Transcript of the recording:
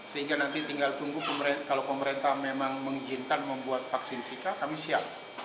sehingga nanti tinggal tunggu kalau pemerintah memang mengizinkan membuat vaksin sika kami siap